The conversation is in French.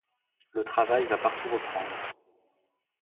Le travail va partout reprendre.